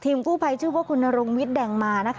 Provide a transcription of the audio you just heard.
ทีมกู้ภัยชื่อว่าคุณนรงวิทย์